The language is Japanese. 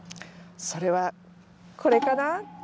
それはこれかな？